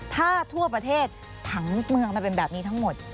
ถ้าทั่วประเทศผังเมืองมันเป็นแบบนี้ทั้งหมด